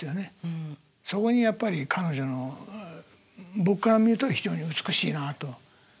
そこにやっぱり彼女の僕から見ると非常に美しいなと。